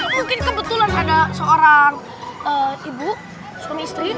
mungkin kebetulan ada seorang ibu suami istri